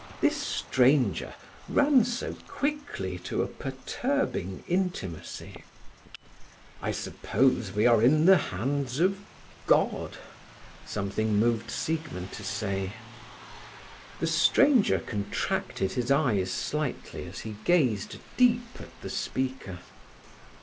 This stranger ran so quickly to a perturbing intimacy. "I suppose we are in the hands of—God," something moved Siegmund to say. The stranger contracted his eyes slightly as he gazed deep at the speaker.